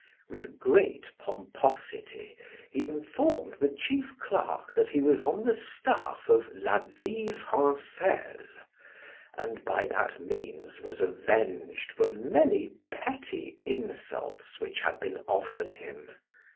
With great pomposity he informed the chief clerk that he was on the staff of "La Vie Francaise," and by that means was avenged for many petty insults which had been offered him.